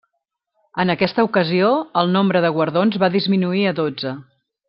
En aquesta ocasió el nombre de guardons va disminuir a dotze.